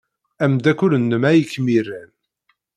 Ameddakel-nnem ay kem-iran.